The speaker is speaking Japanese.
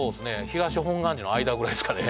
東本願寺の間ぐらいですかね